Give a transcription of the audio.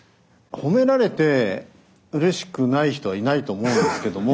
褒められてうれしくない人はいないと思うんですけども。